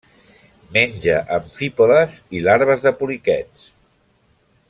Menja amfípodes i larves de poliquets.